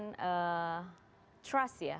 ada kepercayaan ya